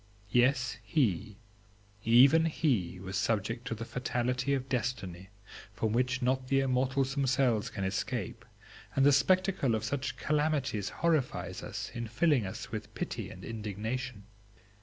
Yes, he, even he, was subject to the fatality of Destiny, from which not the immortals themselves can escape; and the spectacle of such calamities horrifies us, in filling us with pity and indignation.